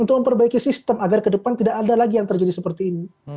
untuk memperbaiki sistem agar ke depan tidak ada lagi yang terjadi seperti ini